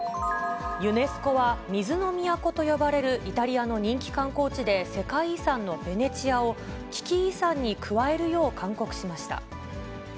ユネスコは、水の都と呼ばれるイタリアの人気観光地で世界遺産のベネチアを、危機遺産に加えるよう勧告しました。